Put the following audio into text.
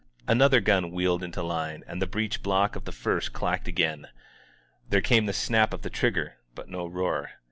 Another gun wheeled into line, and the breech block of the first clacked again. There came the snap of the trigger, but no roar.